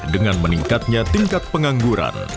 dengan meningkatnya tingkat pengangguran